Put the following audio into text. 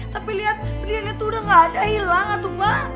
tapi lihat berliannya itu udah gak ada hilang gak tuh pak